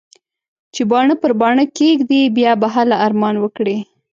چې باڼه پر باڼه کېږدې؛ بيا به هله ارمان وکړې.